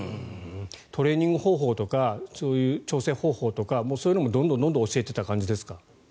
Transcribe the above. トレーニング方法とかそういう調整方法とかそういうのもどんどん教えてた感じですか？